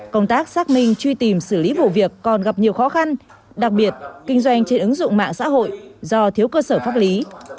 công tác xác minh truy tìm xử lý vụ việc còn gặp nhiều khó khăn đặc biệt kinh doanh trên ứng dụng mạng xã hội do thiếu cơ sở pháp lý